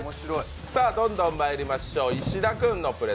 どんどんまいりましょう。